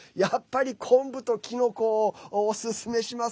昆布と、きのこをおすすめします。